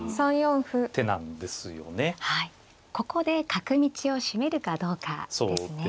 ここで角道を閉めるかどうかですね。